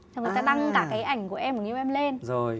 xong người ta đăng cả cái ảnh của em và người yêu em lên